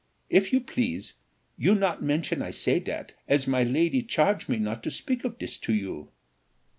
If you please, you not mention I say dat, as miladi charge me not to speak of dis to you.